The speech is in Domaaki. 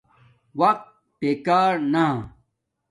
وقت بے کار نا